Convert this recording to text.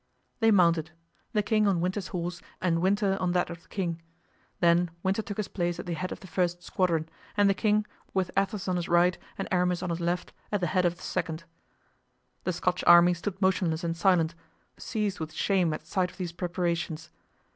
They mounted—the king on Winter's horse and Winter on that of the king; then Winter took his place at the head of the first squadron, and the king, with Athos on his right and Aramis on his left, at the head of the second. The Scotch army stood motionless and silent, seized with shame at sight of these preparations.